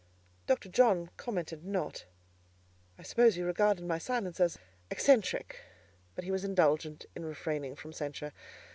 Dr. John commented not. I supposed he regarded my silence as eccentric, but he was indulgent in refraining from censure.